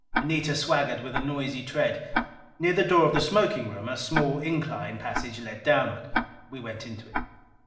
Anita swaggered with a noisy tread. Near the door of the smoking room a small incline passage led downward. We went into it.